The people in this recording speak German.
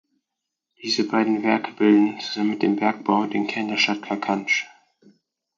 Diese beiden Werke bilden, zusammen mit dem Bergbau, den Kern der Stadt Kakanj.